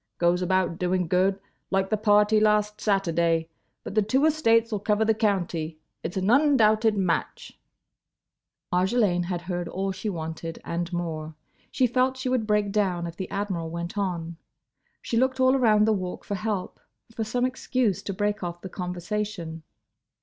Goes about doing good—like the party last Saturday. But the two estates 'll cover the county. It's an undoubted match—" Marjolaine had heard all she wanted—and more. She felt she would break down if the Admiral went on. She looked all around the Walk for help; for some excuse to break off the conversation.